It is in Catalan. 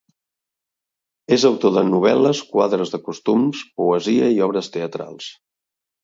És autor de novel·les, quadres de costums, poesia i obres teatrals.